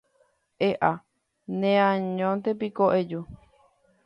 ¡E'a! neañóntepiko eju.